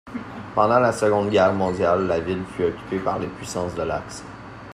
Pendant la Seconde Guerre mondiale, la ville fut occupée par les puissances de l'Axe.